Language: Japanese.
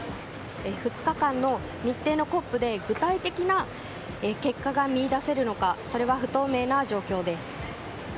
２日間の日程のＣＯＰで具体的な結果が見いだせるのかそれは不透明な状況です。